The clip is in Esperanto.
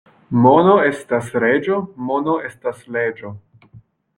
Mono estas reĝo, mono estas leĝo.